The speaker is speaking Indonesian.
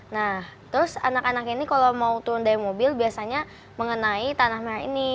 nah terus anak anak ini kalau mau turun dari mobil biasanya mengenai tanah merah ini